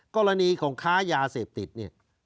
กรณีของค้ายาเสพติดเนี่ย